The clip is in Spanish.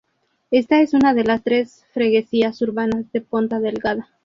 Esta es una de las tres freguesias urbanas de Ponta Delgada.